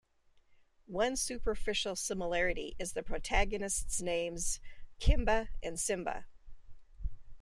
One superficial similarity is the protagonists' names: "Kimba" and "Simba".